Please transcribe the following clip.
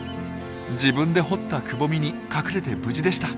自分で掘ったくぼみに隠れて無事でした。